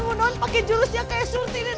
gue sama devi yang koordinir